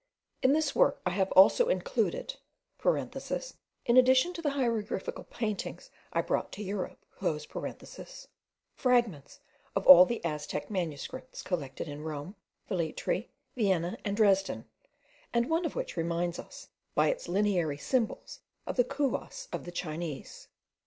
In this work I have also included (in addition to the hieroglyphical paintings I brought to Europe), fragments of all the Aztec manuscripts, collected in Rome, Veletri, Vienna, and Dresden, and one of which reminds us, by its lineary symbols, of the kouas of the Chinese.